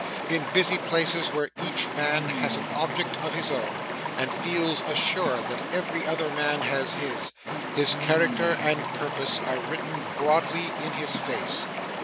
In busy places, where each man has an object of his own, and feels assured that every other man has his, his character and purpose are written broadly in his face.